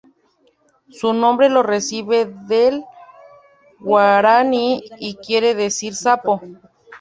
Su nombre lo recibe del guaraní y quiere decir sapo.